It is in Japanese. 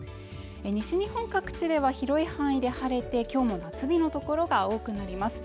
西日本各地では広い範囲で晴れてきょうも夏日の所が多くなります